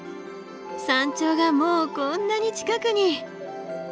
山頂がもうこんなに近くに！